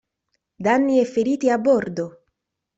Danni e feriti a bordo.